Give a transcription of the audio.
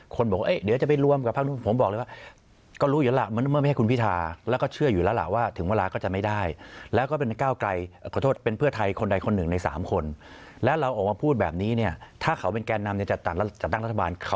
คนบอกว่าเดี๋ยวจะไปร่วมกับพรรค